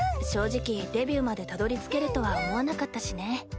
正直デビューまでたどりつけるとは思わなかったしね。